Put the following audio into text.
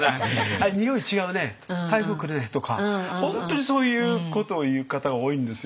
「あれにおい違うね台風来るね」とか本当にそういうことを言う方が多いんですよ。